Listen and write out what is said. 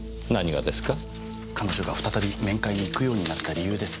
彼女が再び面会に行くようになった理由です。